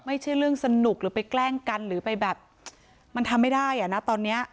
ไม่ใช่เรื่องสนุกหรือไปแกล้งกันหรือไปแบบมันทำไม่ได้อ่ะนะตอนเนี้ย